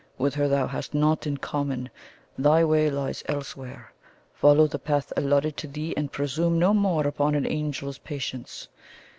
With her thou hast naught in common; thy way lies elsewhere. Follow the path allotted to thee, and presume no more upon an angel's patience.'